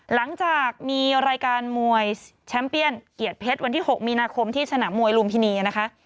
หลังจากมีรายการมวยแชมป์เปียนเกียรติเพชรวันที่๖มีนาคมที่สนามมวยลุมพินีนะคะ